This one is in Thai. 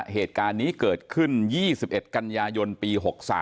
เหตุการณ์นี้เกิดขึ้น๒๑กันยายนปี๖๓